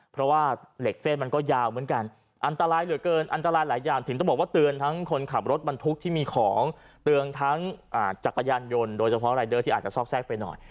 เพราะว่าเหล็กเส้นมันก็ยาวเหมือนกันอันตรายเหลือเกินอันตรายหลายอย่างถึงต้องบอกว่าเตือนทั้งคนขับรถบรรทุกที่มีของเตือนทั้งจักรยานยนต์โดยเฉพาะรายเดอร์ที่อาจจะซอกแทรกไปหน่อย